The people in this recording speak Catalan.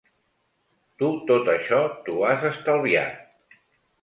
Tu tot això t'ho has estalviat.